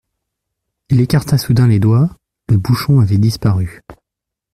Il écarta soudain les doigts, le bouchon avait disparu.